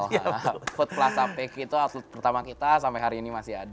nah food plaza pik itu output pertama kita sampai hari ini masih ada